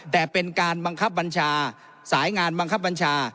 แต่เป็นการบังคับบัญชาสายงานบังคับบัญชา